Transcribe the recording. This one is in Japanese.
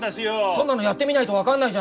そんなのやってみないと分かんないじゃないか！